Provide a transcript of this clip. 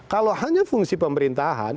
kalau hanya fungsi pemerintahan